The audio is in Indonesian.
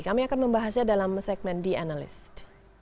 kami akan membahasnya dalam segmen the analyst